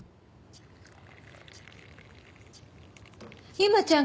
由真ちゃん